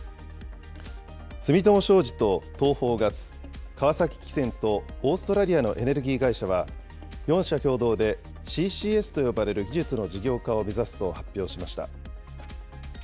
住友商事と、東邦ガス、川崎汽船とオーストラリアのエネルギー会社は、４社共同でＣＣＳと呼ばれる技術の事業化を目指すと発表しました。